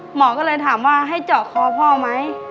หมอก็เลยถามว่าให้เจาะคอพ่อไหม